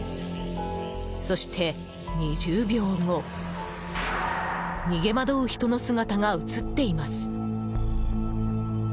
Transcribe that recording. そして、２０秒後逃げ惑う人の姿が映っています。